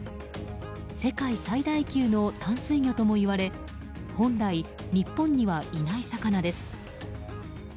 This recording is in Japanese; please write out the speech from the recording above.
世界最大級の淡水魚ともいわれ本来、日本にはいない魚です。